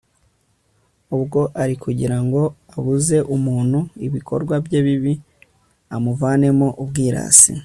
ubwo ari ukugira ngo abuze muntu ibikorwa bye bibi, amuvanemo ubwirasi